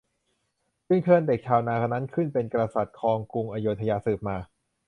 จึงเชิญเด็กชาวนานั้นขึ้นเป็นกษัตริย์ครองกรุงอโยธยาสืบมา